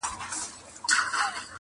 خیراتونه اورېدل پر بې وزلانو!!